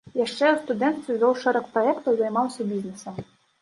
Яшчэ ў студэнцтве вёў шэраг праектаў, займаўся бізнесам.